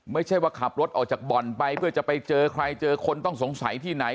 ไม่ใช่ว่าขับรถออกจากบ่อนไปเพื่อจะไปเจอใครเจอคนต้องสงสัยที่ไหน